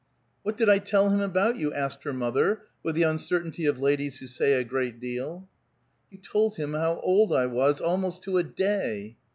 "What did I tell him about you?" asked her mother, with the uncertainty of ladies who say a great deal. "You told him how old I was almost to a day!"